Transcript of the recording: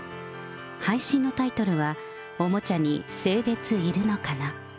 配信のタイトルは、おもちゃに性別いるのかな。